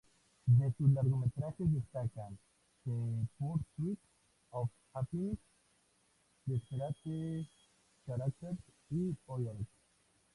De sus largometrajes destacan "The Pursuit of Happiness", "Desperate Characters", y "Pollock".